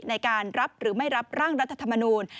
ในการรับหรือไม่รับร่างรัฐธรรมนูล